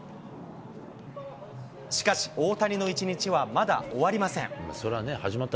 しかし、大谷の一日はまだ終わりません。